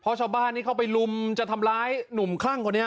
เพราะชาวบ้านที่เข้าไปลุมจะทำร้ายหนุ่มคลั่งคนนี้